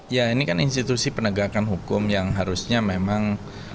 ya ini kan institusi penegakan hukum yang harusnya memang